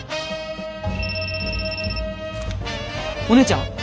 お姉ちゃん！？